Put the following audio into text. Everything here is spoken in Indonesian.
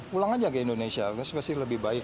pulang aja ke indonesia pasti lebih baik lah